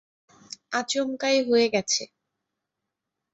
আচমকাই হয়ে গেছে।